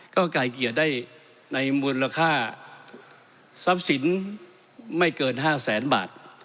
ก็ไกลเกลียดได้ในมูลค่าทรัพย์สินไม่เกิน๕แสนบาท